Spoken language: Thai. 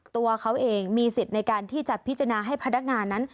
ตัวเขาเองมีสิทธิ์ในการที่จะพิจารณาให้พนักงานนั้น